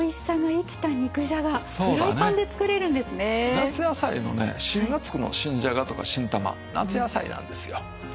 夏野菜のね「新」がつくの新じゃがとか新玉夏野菜なんですよ。